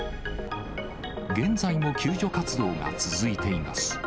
現在も救助活動が続いています。